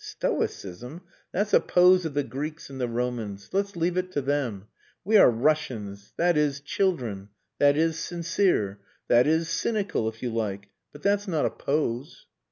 "Stoicism! That's a pose of the Greeks and the Romans. Let's leave it to them. We are Russians, that is children; that is sincere; that is cynical, if you like. But that's not a pose."